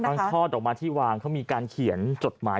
การขอดออกมาที่วางมีการเขียนการจดหมาย